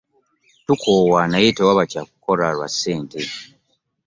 Tukoowa naye tewaba kyakukola lwa ssente.